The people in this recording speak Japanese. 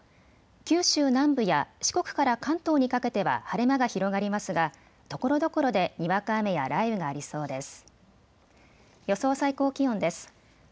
九州南部や四国から関東にかけては晴れ間が広がりますがところどころでにわか雨や雷雨がありそうです。